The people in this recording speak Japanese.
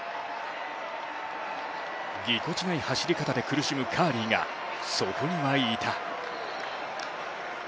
ぎこちない走り方で苦しむカーリーがそこにはいた。